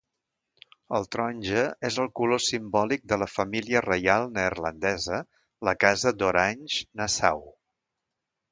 El taronja és el color simbòlic de la família reial neerlandesa, la Casa d'Orange-Nassau.